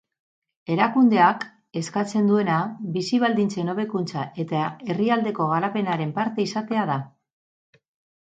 Erakundeak eskatzen duena bizi baldintzen hobekuntza eta herrialdeko garapenaren parte izatea da.